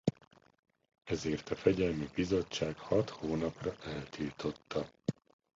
Ezért a fegyelmi bizottság hat hónapra eltiltotta.